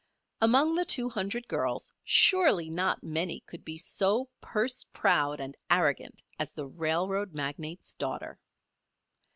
Among the two hundred girls, surely not many could be so purse proud and arrogant as the railroad magnate's daughter.